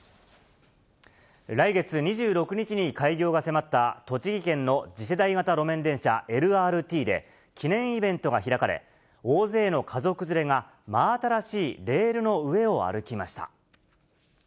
来月２６日に開業が迫った栃木県の次世代型路面電車、ＬＲＴで記念イベントが開かれ、大勢の家族連れが真新しいレールの上を歩きました。